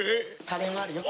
カレーもあるよ。